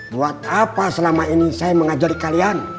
buat apa selama ini saya mengajari kalian